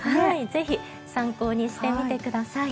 ぜひ参考にしてみてください。